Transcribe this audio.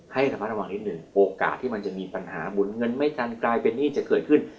ให้ระมัดระวังนิดหนึ่งโอกาสที่มันจะมีปัญหาหมุนเงินไม่ทันกลายเป็นหนี้จะเกิดขึ้น